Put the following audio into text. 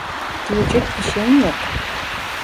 Diyecek bişeyim yok